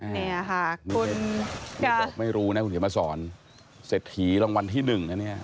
นี่ค่ะคุณกลับไม่รู้นะคุณเฮียมาศรเสร็จหรังวัลที่หนึ่งนะเนี่ย